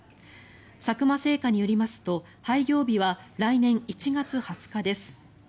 佐久間製菓によりますと廃業日は来年１月２０日です。